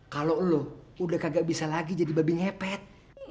kalo lu udah kagak bisa lagi jadi babi ngepet